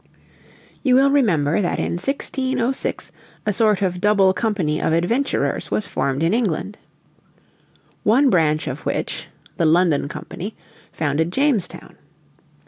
You will remember that in 1606 a sort of double company of adventurers was formed in England, one branch of which the London Company founded Jamestown.